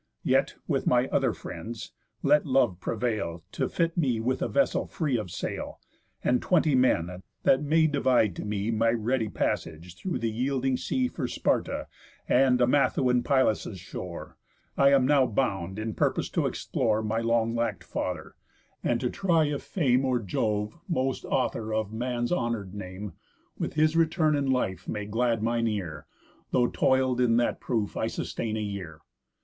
Yet, with my other friends, let love prevail To fit me with a vessel free of sail, And twenty men, that may divide to me My ready passage through the yielding sea For Sparta, and Amathoan Pylos' shore, I now am bound, in purpose to explore My long lack'd father, and to try if fame Or Jove, most author of man's honour'd name, With his return and life may glad mine ear, Though toil'd in that proof I sustain a year.